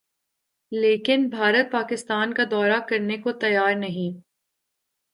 لیکن بھارت پاکستان کا دورہ کرنے کو تیار نہیں